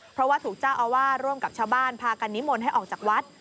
เพราะว่าถูกเจ้าอาวาสร่วมกับชาวบ้านพากันนิมนต์ให้ออกจากวัด